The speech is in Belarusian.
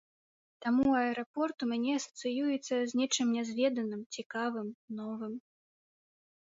Таму аэрапорт у мяне асацыюецца з нечым нязведаным, цікавым, новым.